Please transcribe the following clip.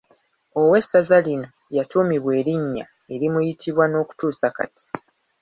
Ow’essaza lino yatuumibwa erinnya erimuyitibwa n’okutuusa kati.